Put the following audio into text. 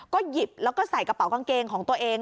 ก็หยิบแล้วก็ใส่กระเป๋ากางเกงของตัวเอง